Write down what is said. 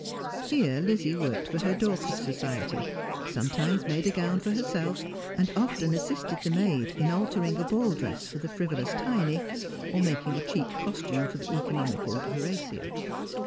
Here Lizzie worked 300 Just as I Am. for her Dorcas society, sometimes made a gown for herself, and often assisted the maid in altering a ball dress for the frivolous Tiny, or in making a cheap costume for the economical Horatia.